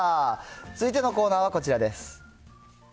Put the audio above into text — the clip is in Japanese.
続いてのコーナーはこちらです。